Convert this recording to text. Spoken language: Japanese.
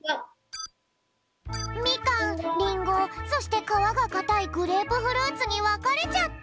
みかんりんごそしてかわがかたいグレープフルーツにわかれちゃった！